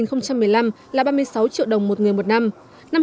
năm hai nghìn một mươi năm là ba mươi sáu triệu đồng một người một năm